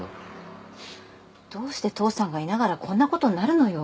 どうして父さんがいながらこんなことになるのよ。